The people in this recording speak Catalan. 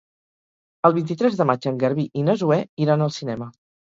El vint-i-tres de maig en Garbí i na Zoè iran al cinema.